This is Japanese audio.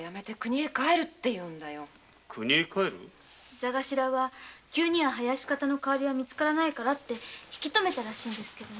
座がしらは急には囃子方の代わりがみつからないからって引き止めたらしいんですけど。